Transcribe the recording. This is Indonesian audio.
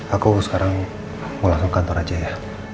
aku sekarang mau langsung kantor aja ya